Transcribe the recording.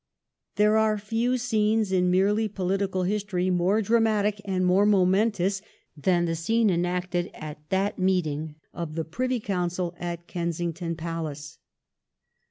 There are few scenes in merely political history more dramatic and more momentous than the scene enacted at that meeting of the Privy Council at Kensington Palace.